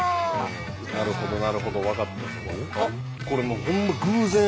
なるほどなるほど分かった。